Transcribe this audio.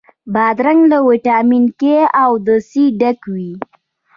بادرنګ له ویټامین K او C ډک وي.